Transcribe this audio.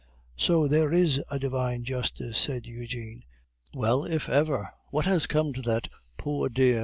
"So there is a Divine Justice!" said Eugene. "Well, if ever! What has come to that poor dear M.